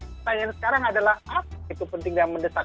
pertanyaan sekarang adalah apa itu penting dan mendesak